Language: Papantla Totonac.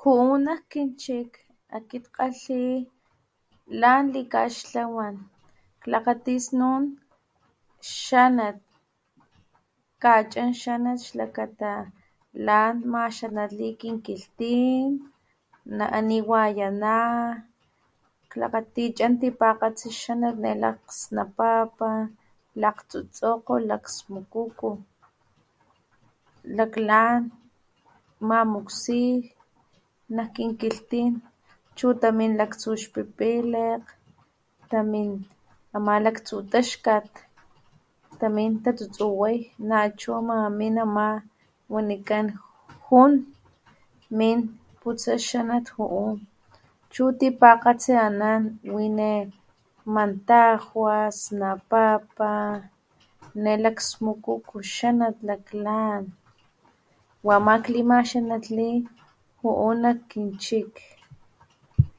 Ju'u nak kinchik akit kgalhi lan likaxtlawan klakgati snun xanat kachan xanat xlakata lan maxanatli kin kilhtin ana niwayana kachan tipakgatsi xanat nalakgsnapapa, lakgtsotsokgo, laksmukuko laklan chu tamin xpipilekg ama laktus taxkat tamin tatsutsuway nachu namin ama wanikan jun min putsa xanat juu chu tipakgatsi anan wine mantajwa, snapapa, nelaksmukuko xanat laklan wa ama klimaxanatli juu nak kin chik.